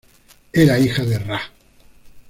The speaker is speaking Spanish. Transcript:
Era hija de Ra.